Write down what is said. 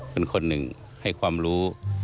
เป็นคนหนึ่งให้ความรู้